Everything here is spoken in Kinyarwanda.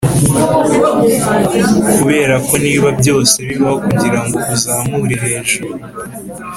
kuberako niba byose bibaho kugirango uzamure hejuru